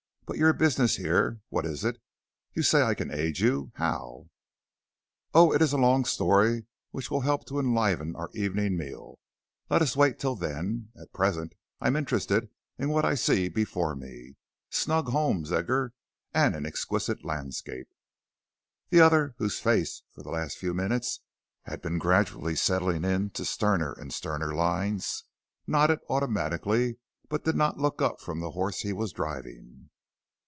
But your business here, what is it? You say I can aid you. How?" "Oh, it is a long story which will help to enliven our evening meal. Let us wait till then. At present I am interested in what I see before me. Snug homes, Edgar, and an exquisite landscape." The other, whose face for the last few minutes had been gradually settling into sterner and sterner lines, nodded automatically but did not look up from the horse he was driving.